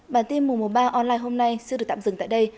bản tin mùa mùa ba online hôm nay xin được tạm dừng tại đây